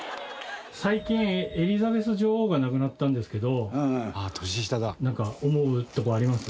最近エリザベス女王が亡くなったんですけどなんか思うとこあります？